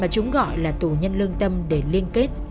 chúng gọi là tù nhân lương tâm để liên kết